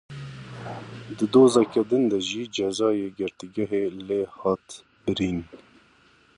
Di dozeke din de jî cezayê girtîgehê lê hat birîn.